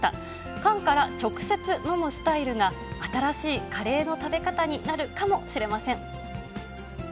缶から直接飲むスタイルが、新しいカレーの食べ方になるかもしれません。